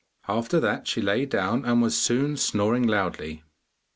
After that she lay down and was soon snoring loudly.